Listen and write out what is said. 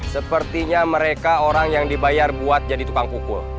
sepertinya mereka orang yang dibayar buat jadi tukang pukul